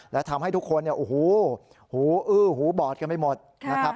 และทำให้ทุกคนหูอื้อหูบอดกันไม่หมดนะครับ